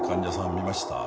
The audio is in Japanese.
診ました？